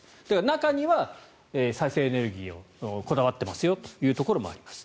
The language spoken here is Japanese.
中には再生エネルギーにこだわってますよというところもあります。